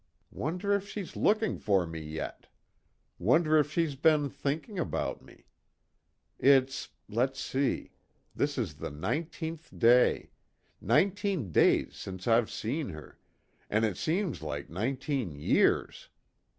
Wonder if she's looking for me yet? Wonder if she's been thinking about me? It's let's see this is the nineteenth day nineteen days since I've seen her and it seems like nineteen years!